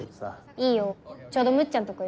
いいよちょうどむっちゃんとこいるし。